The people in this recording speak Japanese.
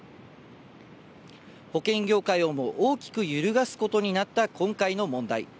保険業界をも大きく揺るがすことになった今回の問題。